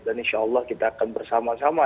dan insya allah kita akan bersama sama